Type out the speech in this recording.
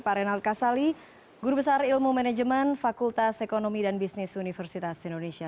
pak renald kasali guru besar ilmu manajemen fakultas ekonomi dan bisnis universitas indonesia